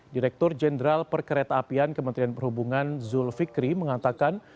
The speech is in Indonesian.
direktur jenderal perkereta apian kementerian perhubungan zul fikri mengatakan